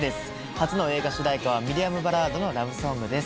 初の映画主題歌はミディアムバラードのラブソングです。